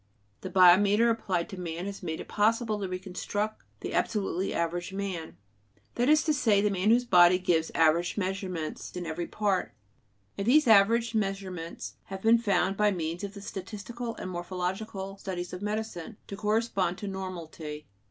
The biometer applied to man has made it possible to reconstruct the absolutely average man, that is to say, the man whose body gives average measurements in every part; and these average measurements have been found, by means of the statistical and morphological studies of medicine, to correspond to "normality."